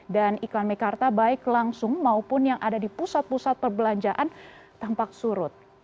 dan iklan mekarta baik langsung maupun yang ada di pusat pusat perbelanjaan tampak surut